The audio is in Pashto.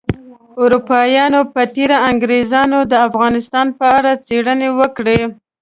اروپایانو په تیره انګریزانو د افغانستان په اړه څیړنې وکړې